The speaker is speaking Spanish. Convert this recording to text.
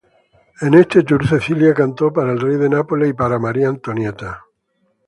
En este tour Cecilia cantó para el Rey de Nápoles y para María Antonieta.